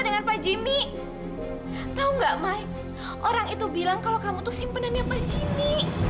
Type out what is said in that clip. dengan pak jimmy tahu nggak my orang itu bilang kalau kamu tuh simpenannya pak jimmy